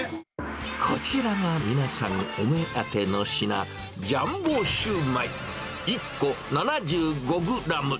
こちらが皆さんお目当ての品、ジャンボシューマイ１個７５グラム。